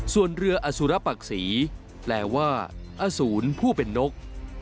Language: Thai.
ส่วนเรืออสุรปักศรีแปลว่าอสูรผู้เป็นนก